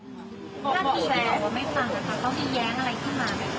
ถ้ามีแฟล์ไม่ฟังนะครับเขามีแย้งอะไรขึ้นมาไหม